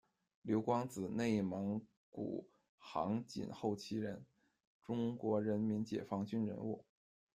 刘光子，内蒙古杭锦后旗人，中国人民解放军人物。